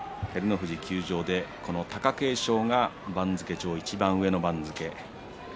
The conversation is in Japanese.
照ノ富士休場でこの貴景勝は番付上位、いちばん上の番付です。